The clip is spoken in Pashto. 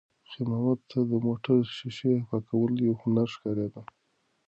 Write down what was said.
خیر محمد ته د موټر د ښیښې پاکول یو هنر ښکارېده.